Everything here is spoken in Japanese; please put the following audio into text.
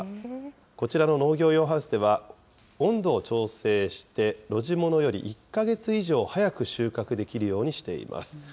こちらの農業用ハウスでは、温度を調整して、露地ものより１か月以上早く収穫できるようにしています。